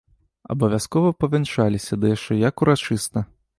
Абавязкова павянчаліся, ды яшчэ як урачыста.